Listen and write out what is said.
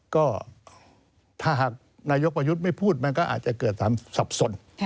ก็ถ้าหากนายกประยุทธ์ไม่พูดมันก็อาจจะเกิดความสับสน